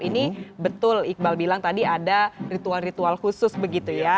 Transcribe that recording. ini betul iqbal bilang tadi ada ritual ritual khusus begitu ya